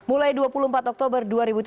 mulai dua puluh empat oktober dua ribu tujuh belas